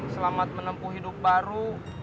selamat menempuh hidup baru